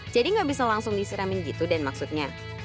jadi nggak bisa langsung disiramin gitu den maksudnya